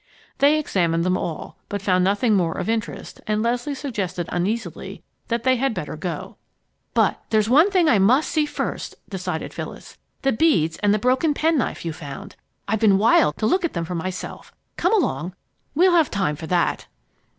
They examined them all, but found nothing more of interest and Leslie suggested uneasily that they had better go. "But there's one thing I must see first, " decided Phyllis; "the beads and broken penknife you found. I've been wild to look at them for myself. Come along! We'll have time for that."